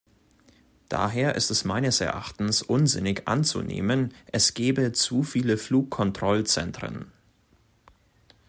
Daher ist es meines Erachtens unsinnig anzunehmen, es gebe zu viele Flugkontrollzentren.